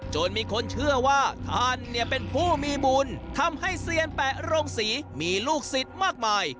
จนมีคนเชื่อว่าท่านเนี่ยเป็นผู้มีบุญทำให้เซียนแปะโรงศรีมีลูกศิษย์มากมาย